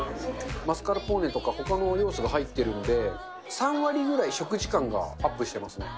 マスカルポーネとかほかの要素が入っているので、３割ぐらい食事感がアップしてますね。